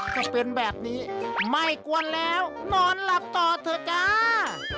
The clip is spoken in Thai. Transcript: ถ้าเป็นแบบนี้ไม่กวนแล้วนอนหลับต่อเถอะจ้า